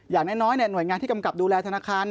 อย่างน้อยหน่วยงานที่กำกับดูแลธนาคาร